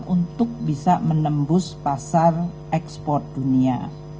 untuk bisa menembus pasar ekspor dunia